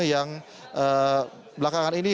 yang belakangan ini